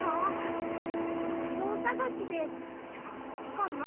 やくそうさがしで「あっちかな？